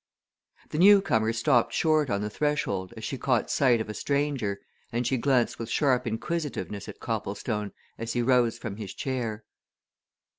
The newcomer stopped short on the threshold as she caught sight of a stranger, and she glanced with sharp inquisitiveness at Copplestone as he rose from his chair.